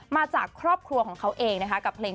มาจากครอบครัวของเขาเองนะคะ